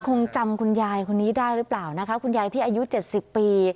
คงจำคุณยายคนนี้ได้หรือเปล่านะคะคุณยายที่อายุ๗๐ปี